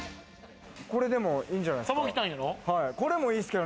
これでもいいんじゃないですか。